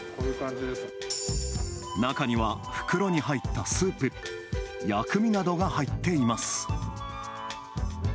中には袋に入ったスープ、薬味などが入っています。